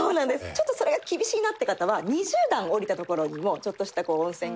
ちょっとそれが厳しいなって方は２０段下りた所にもちょっとした温泉があるので。